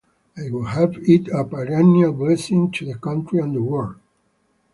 I would have it a perennial blessing to the country and the world.